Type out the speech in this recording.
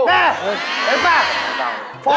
เห็นป่ะ